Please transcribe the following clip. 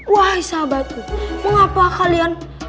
wahai sahabatku mengapa kalian